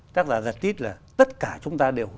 chắc là giật tít là tất cả chúng ta đều